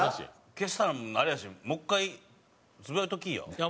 消したのもあれやしもう１回つぶやいときいや。